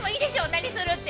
何するって。